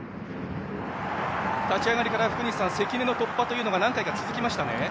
立ち上がりから福西さん、関根の突破が何回か続きましたね。